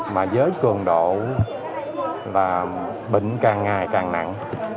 mà với cường độ và bệnh càng ngày càng nặng